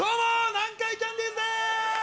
南海キャンディーズです！